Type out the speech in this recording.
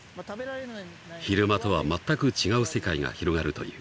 ［昼間とはまったく違う世界が広がるという］